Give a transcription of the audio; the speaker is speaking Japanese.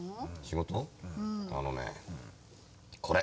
あのねこれ。